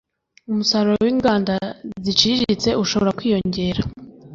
umusaruro w'inganda ziciriritse ushobora kwiyongera